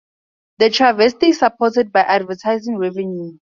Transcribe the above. The "Travesty" is supported by advertising revenue.